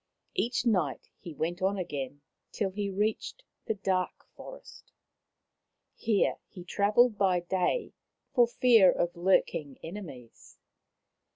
Each night he went on again, till he reached the dark forest. Here he travelled by day, for fear of lurking enemies.